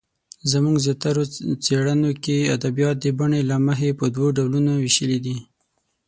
زموږ زیاتره څېړنو کې ادبیات د بڼې له مخې په دوو ډولونو وېشلې دي.